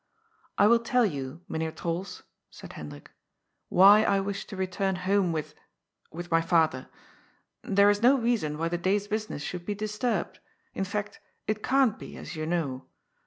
" I will tell you, Mynheer Trols," said Hendrik, " why I wish to return home with — ^with my father. There is no reason why the day's business should be disturbed. In fact, it can't be, as you know.